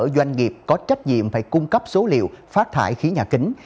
doanh nghiệp có trách nhiệm phải cung cấp số liệu phát thải khí nhà kính